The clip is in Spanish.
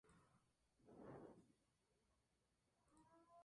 Su padre luchó en la Segunda Guerra Mundial.